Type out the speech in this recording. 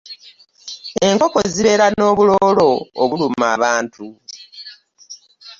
Enkoko zibeera n'obulolo obuluma abantu.